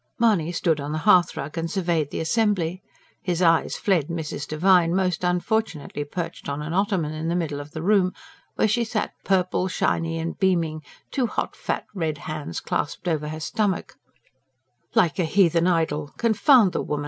Mahony stood on the hearthrug and surveyed the assembly. His eyes fled Mrs. Devine, most unfortunately perched on an ottoman in the middle of the room, where she sat, purple, shiny and beaming, two hot, fat, red hands clasped over her stomach ("Like a heathen idol! Confound the woman!